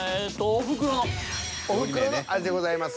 「おふくろの味」でございます。